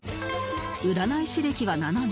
占い師歴は７年